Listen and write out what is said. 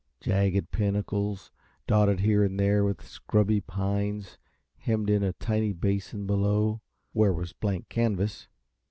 Jagged pinnacles, dotted here and there with scrubby pines, hemmed in a tiny basin below where was blank canvas.